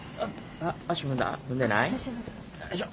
よいしょ。